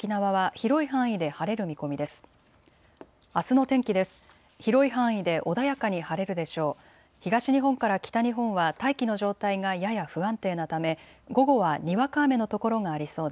広い範囲で穏やかに晴れるでしょう。